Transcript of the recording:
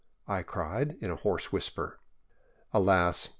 " I cried, in a hoarse whisper. Alas !